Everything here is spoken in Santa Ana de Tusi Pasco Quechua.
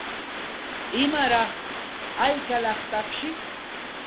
¿Imalaq hayqalataqshi?